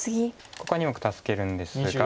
ここ２目助けるんですが。